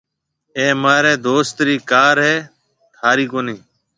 اَي مهاريَ دوست رِي ڪار هيَ ٿارِي ڪونَي